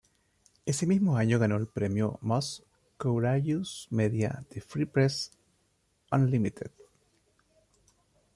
Ese mismo año ganó el premio Most Courageous Media de Free Press Unlimited.